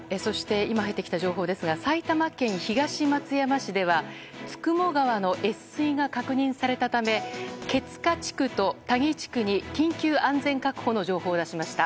今入ってきた情報ですが埼玉県東松山市ではツクモ川の越水が確認されたためケツカ地区とタギ地区に緊急安全確保の情報を出しました。